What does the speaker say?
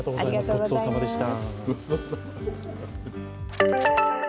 ごちそうさまでした。